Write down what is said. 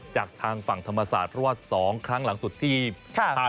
จากทางฝั่งธรรมศาสตร์เพราะว่า๒ครั้งหลังสุดที่ผ่าน